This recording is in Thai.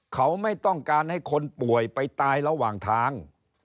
เขาไม่ต้องการให้คนป่วยไปตายระหว่างทาง